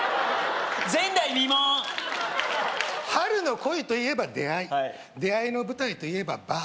前代未聞春の恋といえば出会いはい出会いの舞台といえばバー